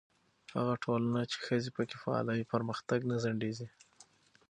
هغه ټولنه چې ښځې پکې فعاله وي، پرمختګ نه ځنډېږي.